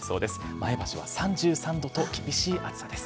前橋は３３度と、厳しい暑さです。